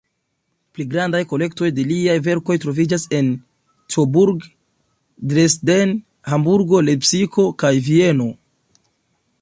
Pli grandaj kolektoj de liaj verkoj troviĝas en Coburg, Dresden, Hamburgo, Lepsiko kaj Vieno.